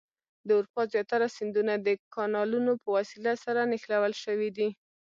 د اروپا زیاتره سیندونه د کانالونو په وسیله سره نښلول شوي دي.